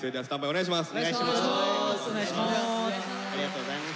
お願いします。